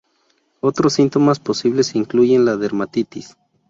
Otros síntomas posibles incluyen la dermatitis.